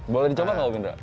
boleh dicoba nggak om indra